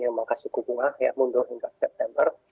mengangkat suku bunga ya mundur hingga september